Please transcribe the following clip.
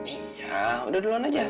iya udah duluan aja